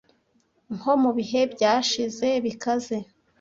nko mu bihe byashize bikaze